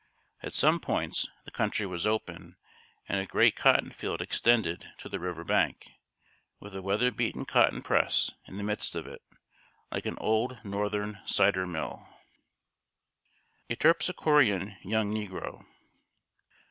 At some points the country was open, and a great cotton field extended to the river bank, with a weather beaten cotton press in the midst of it, like an old northern cider mill. [Sidenote: A TERPSICHOREAN YOUNG NEGRO.